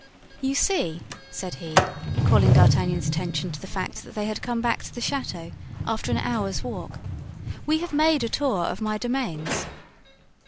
"You see," said he, calling D'Artagnan's attention to the fact that they had come back to the chateau after an hour's walk, "we have made a tour of my domains."